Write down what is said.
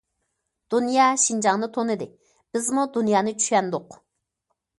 دۇنيا شىنجاڭنى تونۇدى، بىزمۇ دۇنيانى چۈشەندۇق.